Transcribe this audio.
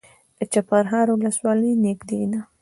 د چپرهار ولسوالۍ نږدې ده